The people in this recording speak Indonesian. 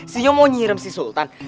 senyum mau nyirem si sultan